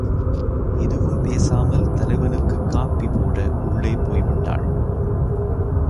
எதுவும் பேசாமல் தலைவனுக்குக் காபி போட உள்ளே போய்விட்டாள்.